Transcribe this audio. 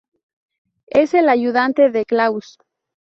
Es el ayudante de Klaus.